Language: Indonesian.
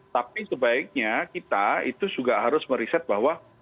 tapi sebaiknya kita itu juga harus meriset bahwa